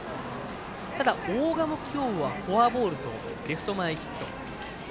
ただ、大賀も今日はフォアボールとレフト前ヒット。